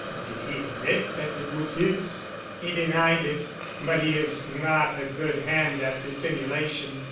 "Did he admit that it was his?" "He denied it. But he is not a good hand at dissimulation.